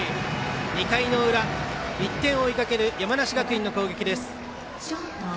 ２回の裏、１点を追いかける山梨学院の攻撃です。